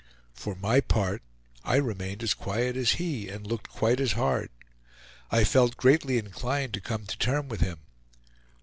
For my part, I remained as quiet as he, and looked quite as hard; I felt greatly inclined to come to term with him.